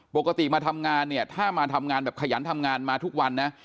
ปกติมาทำงานเนี่ยถ้ามาทำงานแบบขยันทำงานมาทุกวันนะ